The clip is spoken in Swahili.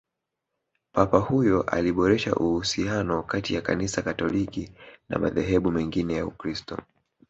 papa huyo aliboresha uhusiano kati ya kanisa katoliki na madhehebu mengine ya ukristo